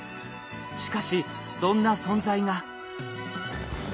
しかしそんな存在が。